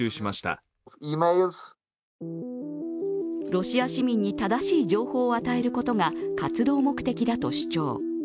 ロシア市民に正しい情報を与えることが活動目的だと主張。